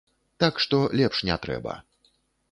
Так што лепш не трэба.